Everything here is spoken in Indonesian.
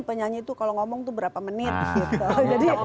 penyanyi itu kalau ngomong tuh berapa menit gitu